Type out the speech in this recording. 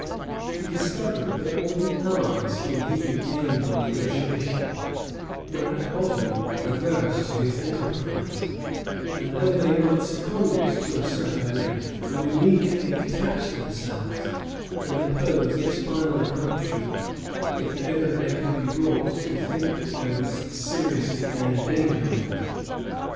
He discovered that all the allies whom he could gain by negotiation were at bottom averse to his enterprise; and though they might second it to a certain length, would immediately detach themselves, and oppose its final accomplishment, if ever they could be brought to think that there was seriously any danger of it.